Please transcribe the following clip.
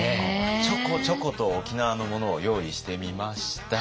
ちょこちょこと沖縄のものを用意してみました。